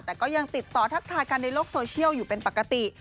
แต่ก็ยังติดต่อทักทายกันในโลกโซเชียลอยู่เป็นปกติ